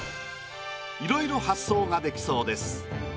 いろいろ発想ができそうです。